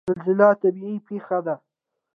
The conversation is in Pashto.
زلزله طبیعي پیښه ده